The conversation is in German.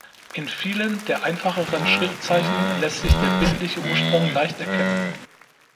In vielen der einfacheren Schriftzeichen lässt sich der bildliche Ursprung leicht erkennen.